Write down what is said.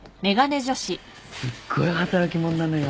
すっごい働き者なのよ。